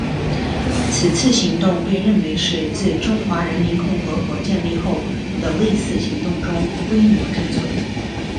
此次行动被认为是自中华人民共和国建立后的类似行动中规模之最。